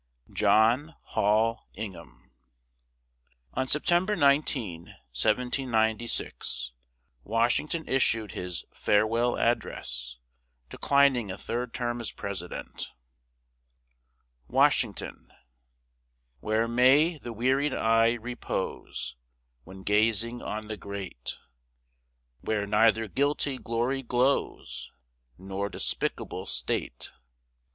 JOHN HALL INGHAM. On September 19, 1796, Washington issued his "farewell address," declining a third term as President. WASHINGTON Where may the wearied eye repose When gazing on the Great; Where neither guilty glory glows, Nor despicable state?